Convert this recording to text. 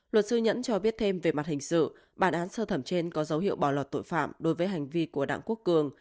luật sư nhẫn cho biết thêm về mặt hình sự bản án sơ thẩm trên có dấu hiệu bỏ lọt tội phạm đối với hành vi của đảng quốc cường